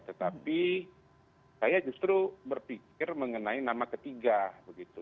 tetapi saya justru berpikir mengenai nama ketiga begitu